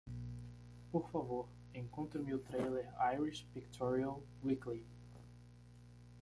Por favor, encontre-me o trailer Irish Pictorial Weekly.